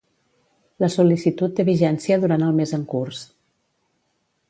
La sol·licitud té vigència durant el mes en curs.